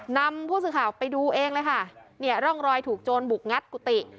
นำผู้สื่อข่าวไปดูเองเลยค่ะเนี่ยร่องรอยถูกโจรบุกงัดกุฏิ